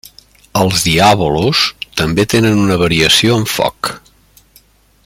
Els diàbolos també tenen una variació amb foc.